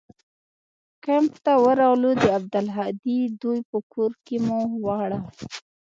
کمپ ته ورغلو د عبدالهادي دوى په کور کښې مو واړول.